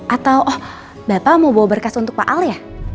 atau oh bapak mau bawa berkas untuk pak al ya